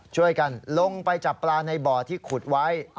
ช่วยกันลงไปจับปลาในบ่อที่ขุดไว้